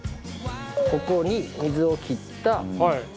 ここに水を切った。